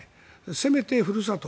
せめて、ふるさと